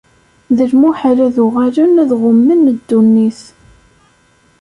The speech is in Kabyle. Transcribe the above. D lmuḥal ad uɣalen ad ɣummen ddunit.